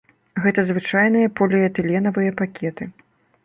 Гэта звычайныя поліэтыленавыя пакеты.